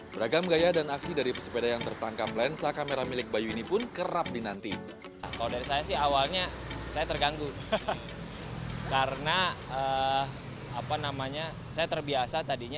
beragam gaya dan aksi dari pesepeda yang tertangkap lensa kamera milik bayu ini pun kerap dinanti